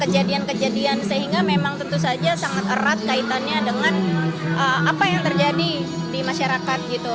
kejadian kejadian sehingga memang tentu saja sangat erat kaitannya dengan apa yang terjadi di masyarakat gitu